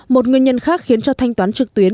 một nguyên nhân khác khiến cho thanh toán trực tuyến